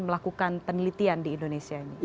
melakukan penelitian di indonesia ini